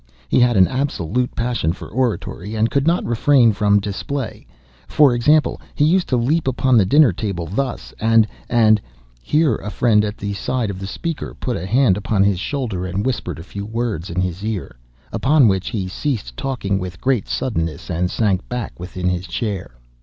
He had an absolute passion for oratory, and could not refrain from display. For example, he used to leap upon the dinner table thus, and—and—" Here a friend, at the side of the speaker, put a hand upon his shoulder and whispered a few words in his ear; upon which he ceased talking with great suddenness, and sank back within his chair.